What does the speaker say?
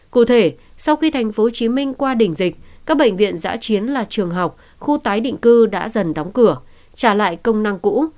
cụ thể sau khi tp hcm qua đỉnh dịch các bệnh viện giã chiến là trường học khu tái định cư đã dần đóng cửa trả lại công năng cũ